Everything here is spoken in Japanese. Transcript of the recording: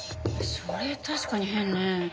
それ確かに変ね。